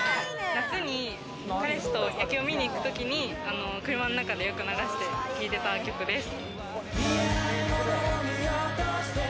夏に彼氏と夜景を見に行く時に車の中でよく流して聴いていた曲です。